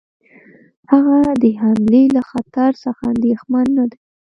هغه د حملې له خطر څخه اندېښمن نه دی.